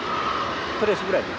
トレースぐらいで？